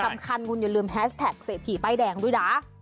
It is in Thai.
สำคัญคุณอย่าลืมแฮชแท็กเศรษฐีป้ายแดงด้วยนะ